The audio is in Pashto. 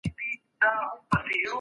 څېړونکې وايي وقفه ګټوره ده.